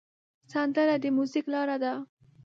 سندره د میوزیک لاره ده